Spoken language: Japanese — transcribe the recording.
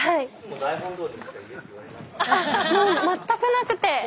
全くなくて。